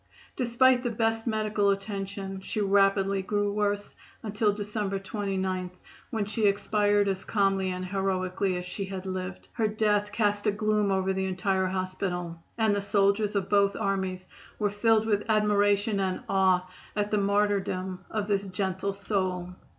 Despite the best medical attention she rapidly grew worse, until December 29, when she expired as calmly and heroically as she had lived. Her death cast a gloom over the entire hospital, and the soldiers of both armies were filled with admiration and awe at the martyrdom of this gentle soul.